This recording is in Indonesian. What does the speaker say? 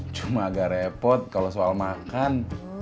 cuma agak repot kalau soal makan